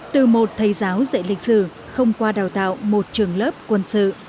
từ một thầy giáo dạy lịch sử không qua đào tạo một trường lớp quân sự